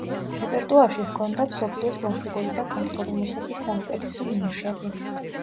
რეპერტუარში ჰქონდა მსოფლიოს კლასიკური და ქართული მუსიკის საუკეთესო ნიმუშები.